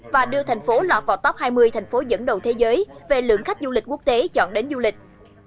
và đưa thành phố lọt vào top hai mươi thành phố dẫn đầu thế giới về lượng khách du lịch quốc tế chọn đến du lịch